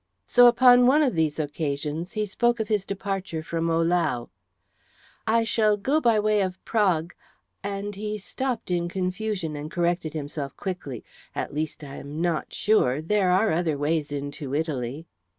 So upon one of these occasions he spoke of his departure from Ohlau. "I shall go by way of Prague;" and he stopped in confusion and corrected himself quickly. "At least, I am not sure. There are other ways into Italy."